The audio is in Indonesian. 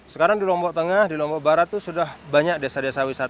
sekarang di lombok tengah di lombok barat itu sudah banyak desa desa wisata